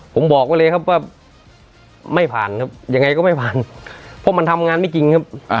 ผมบอกไว้เลยครับว่าไม่ผ่านครับยังไงก็ไม่ผ่านเพราะมันทำงานไม่จริงครับ